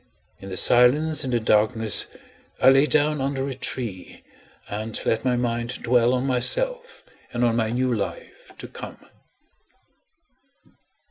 In the silence and the darkness I lay down under a tree, and let my mind dwell on myself and on my new life to come.